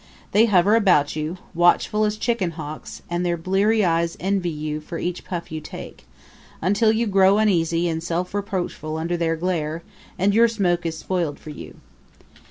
They hover about you, watchful as chicken hawks; and their bleary eyes envy you for each puff you take, until you grow uneasy and self reproachful under their glare, and your smoke is spoiled for you.